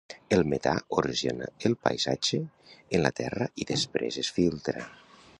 El metà erosiona el paisatge com en la Terra i després es filtra.